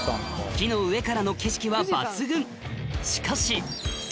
木の上からの景色は抜群